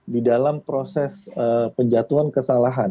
di dalam proses penjatuhan kesalahan